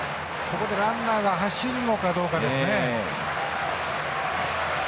ここでランナーが走るのかどうかですね。